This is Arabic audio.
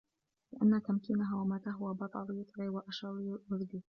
لِأَنَّ تَمْكِينَهَا وَمَا تَهْوَى بَطَرٌ يُطْغِي وَأَشَرٌ يُرْدِي